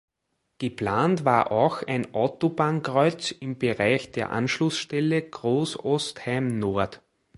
Geplant war auch ein Autobahnkreuz im Bereich der Anschlussstelle Großostheim-Nord.